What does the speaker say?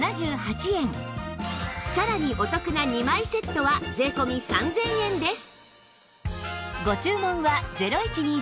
さらにお得な２枚セットは税込３０００円です